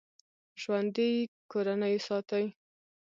ژوندي کورنۍ ساتي